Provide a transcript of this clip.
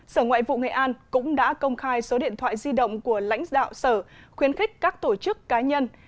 sở ngoại vụ nghệ an cũng đã công khai số điện thoại di động của lãnh đạo sở khuyến khích các tổ chức cá nhân